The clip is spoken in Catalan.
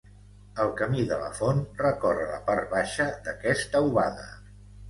El Camí de la Font recorre la part baixa d'aquesta obaga.